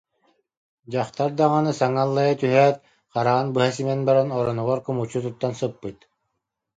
Дьахтар даҕаны саҥа аллайа түһээт, хараҕын быһа симэн баран, оронугар кумуччу туттан сыппыт